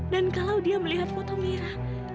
dan kalau dia melihat foto mira